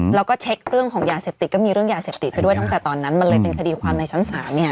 แล้วก็เช็คเรื่องของยาเสพติดก็มีเรื่องยาเสพติดไปด้วยตั้งแต่ตอนนั้นมันเลยเป็นคดีความในชั้นศาลเนี่ย